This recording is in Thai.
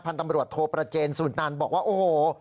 พันธุ์ตำรวจโทรประเจนสุดนั้นบอกว่าโอ้โห